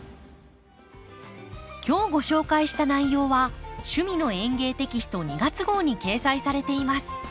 今日ご紹介した内容は「趣味の園芸」テキスト２月号に掲載されています。